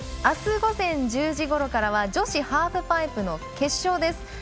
あす、午前１０時ごろからは女子ハーフパイプの決勝です。